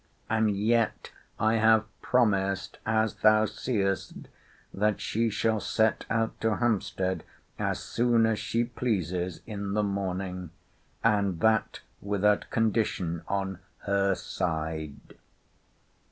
And yet I have promised, as thou seest, that she shall set out to Hampstead as soon as she pleases in the morning, and that without condition on her side.